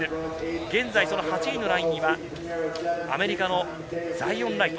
現在８位のラインにはアメリカのザイオン・ライト。